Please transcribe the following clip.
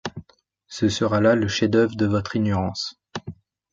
Ce sera là le chef-d’œuvre de votre ignorance.